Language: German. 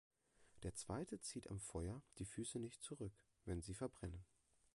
Der zweite zieht am Feuer die Füße nicht zurück, wenn sie verbrennen.